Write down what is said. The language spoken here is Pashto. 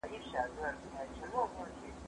هغه وويل چي چپنه ضروري ده،